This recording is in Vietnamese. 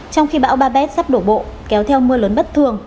trong khi bão babets sắp đổ bộ kéo theo mưa lớn bất thường